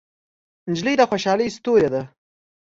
نجلۍ د خوشحالۍ ستورې ده.